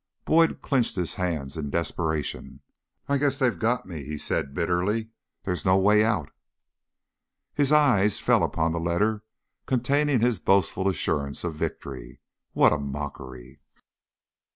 Boyd clinched his hands in desperation. "I guess they've got me," he said, bitterly. "There's no way out." His eyes fell upon the letter containing his boastful assurance of victory. What a mockery!